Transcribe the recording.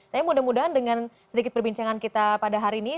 tapi mudah mudahan dengan sedikit perbincangan kita pada hari ini